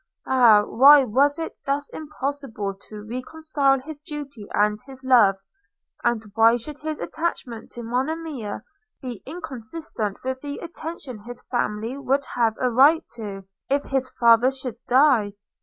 Ah! why was it thus impossible to reconcile his duty and his love; and why should his attachment to Monimia be inconsistent with the attention his family would have a right to – if – if his father should die?